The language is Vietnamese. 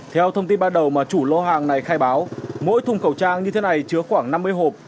theo thông tin ban đầu mà chủ lô hàng này khai báo mỗi thùng khẩu trang như thế này chứa khoảng năm mươi hộp